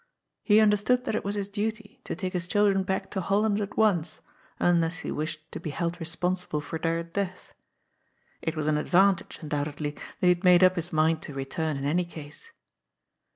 " he understood that it was his duty to take his children back to Holland at once, unless he wished to be held responsible for their death. It was an advantage, undoubtedly, that he had made up his mind to return in any case.